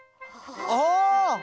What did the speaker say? ああ！